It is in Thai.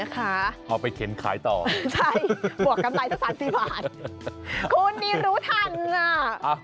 คุณนี่รู้ถัง